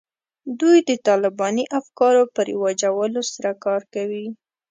دوی د طالباني افکارو په رواجولو سره کار کوي